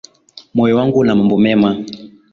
Moyo wangu una mambo mema